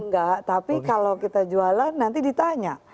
enggak tapi kalau kita jualan nanti ditanya